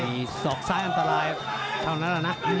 มีศอกซ้ายอันตรายเท่านั้นแหละนะ